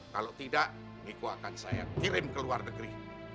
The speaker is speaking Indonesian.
kalau tidak niko akan saya kirim ke luar negeri